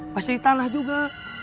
pasti di tanah juga